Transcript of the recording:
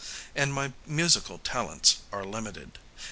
And my musical talents are limited.